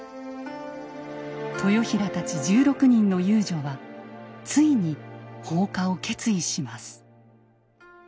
豊平たち１６人の遊女はついに放火を決意します。